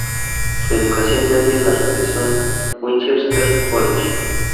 Su educación media la realizó en Winchester College.